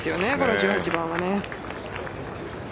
１８番は。